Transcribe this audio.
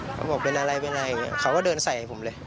เขาบอกเป็นอะไรเขาก็เดินใส่ผมเลย